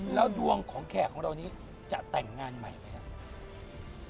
แล้วดวงของแขกของเรานี้จะแต่งงานใหม่ไหมครับ